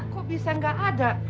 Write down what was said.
kok bisa gak ada